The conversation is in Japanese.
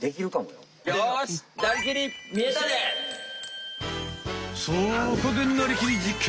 よしそこで「なりきり！実験！」。